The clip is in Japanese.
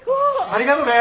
ありがとね。